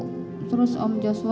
terus om joshua